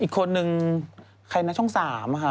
อีกคนนึงใครนะช่อง๓ค่ะ